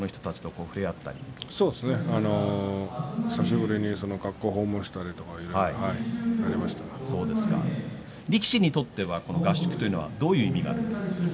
久しぶりに学校を訪問したりとか力士にとっては合宿というのはどういう意味があるんですか。